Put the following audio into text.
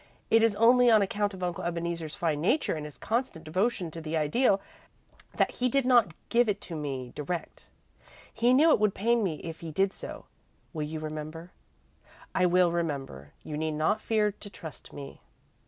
It is only on account of Uncle Ebeneezer's fine nature and his constant devotion to the Ideal that he did not give it to me direct. He knew it would pain me if he did so. You will remember?" "I will remember. You need not fear to trust me."